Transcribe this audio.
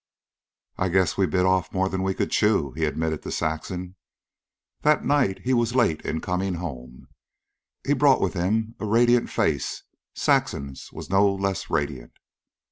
"I guess we've bit off more'n we could chew," he admitted to Saxon. That night he was late in coming home, but brought with him a radiant face. Saxon was no less radiant.